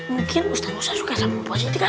mungkin ustazah doyoi suka sama positi kan